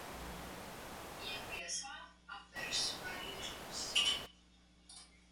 Y empieza a persuadirlos